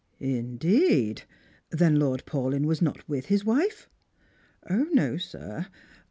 " Indeed ! Then Lord Paulyn was not with his wife?" " No, sir.